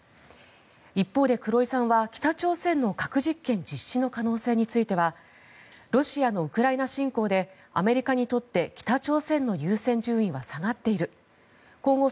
一方で黒井さんは北朝鮮の核実験実施の可能性についてはロシアのウクライナ侵攻でアメリカにとって北朝鮮の優先順位は下がっている今後